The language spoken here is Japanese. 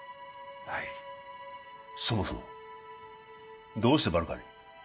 はいそもそもどうしてバルカに？